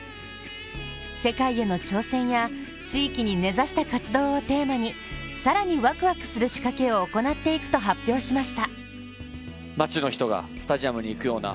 世界への挑戦や地域に根ざした活動をテーマに更にワクワクする仕掛けを行っていくと発表しました。